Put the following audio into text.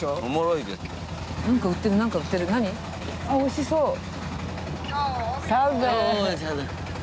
あおいしそう。